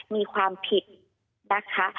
มีความผิดนะคะ